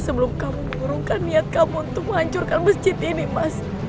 sebelum kamu mengurungkan niat kamu untuk menghancurkan masjid ini mas